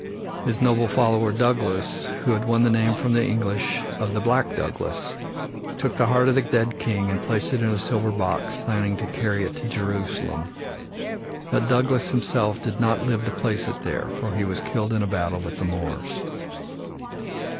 His noble follower, Douglas, who had won the name from the English of "the black Douglas," took the heart of the dead king and placed it in a silver box, planning to carry it to Jerusalem. But Douglas himself did not live to place it there, for he was killed in a battle with the Moors.